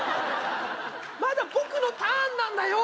まだ僕のターンなんだよ